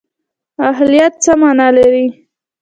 اهلیت څه مانا لري؟